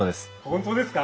本当ですか！